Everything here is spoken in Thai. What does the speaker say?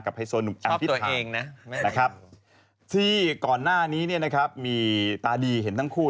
กับไฮโซนหนุ่มแอมพิษภาพที่ก่อนหน้านี้มีตาดีเห็นทั้งคู่